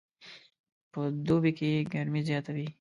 په دوبي کې ګرمي زیاته وي